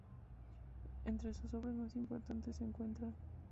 Entre sus obras más importantes se encuentran